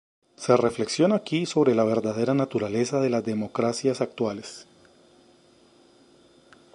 Se reflexiona aquí sobre la verdadera naturaleza de las democracias actuales.